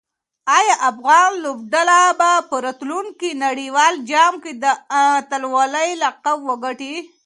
آیا افغان لوبډله به په راتلونکي نړیوال جام کې د اتلولۍ لقب وګټي؟